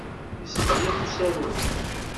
Yesqelliq usaru-nni.